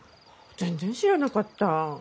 全然知らなかった。